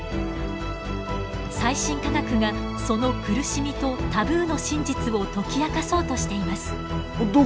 最新科学がその苦しみとタブーの真実を解き明かそうとしています。